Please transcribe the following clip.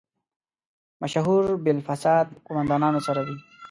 مشهور بالفساد قوماندانانو سره وي.